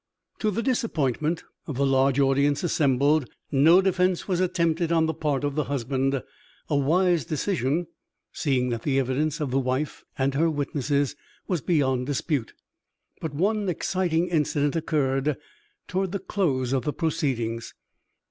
To the disappointment of the large audience assembled, no defense was attempted on the part of the husband a wise decision, seeing that the evidence of the wife and her witnesses was beyond dispute. But one exciting incident occurred toward the close of the proceedings.